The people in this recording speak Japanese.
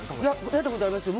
やったことありますよ。